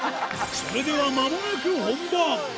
それでは間もなく本番。